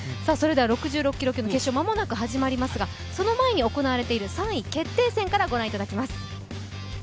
それでは６６キロ級の決勝、間もなく始まりますがその前に行われている３位決定戦からご覧いただきます。